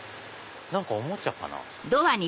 何かおもちゃかな？